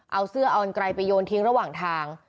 เอาเสื้อออนไกรไปโยนทิ้งระหว่างทาง